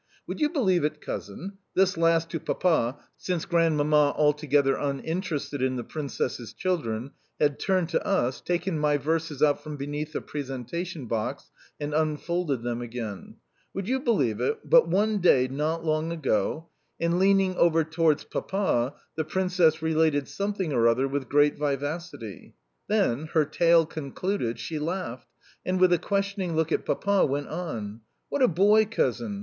Would you believe it, cousin," (this last to Papa, since Grandmamma altogether uninterested in the Princess's children, had turned to us, taken my verses out from beneath the presentation box, and unfolded them again), "would you believe it, but one day not long ago " and leaning over towards Papa, the Princess related something or other with great vivacity. Then, her tale concluded, she laughed, and, with a questioning look at Papa, went on: "What a boy, cousin!